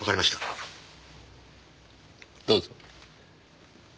どうぞ。